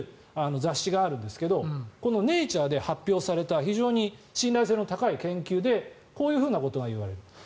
雑誌があるんですけどこの「ネイチャー」で発表された非常に信頼性の高い研究でこういうことが言われる。